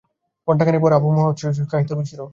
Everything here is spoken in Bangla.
ঘণ্টাখানেক পর অপু মহা উৎসাহের সহিত খাইতে বসিল।